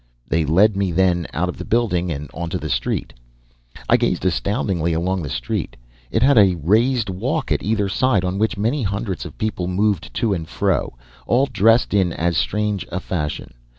They led me then out of the building and into the street. "I gazed astoundedly along that street. It had a raised walk at either side, on which many hundreds of people moved to and fro, all dressed in as strange a fashion.